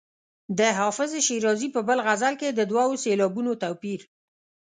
د حافظ شیرازي په بل غزل کې د دوو سېلابونو توپیر.